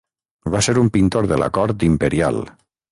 Va ser un pintor de la cort imperial.